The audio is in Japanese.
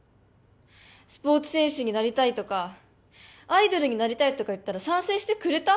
スポーツ選手になりたいとかアイドルになりたいとか言ったら賛成してくれた？